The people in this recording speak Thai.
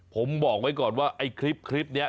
ผมบอกไว้ก่อนว่าไอ้คลิปนี้